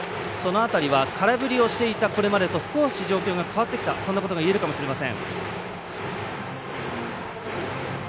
その辺りは空振りをしていたこれまでと少し状況が変わってきたそんなことが言えるかもしれません。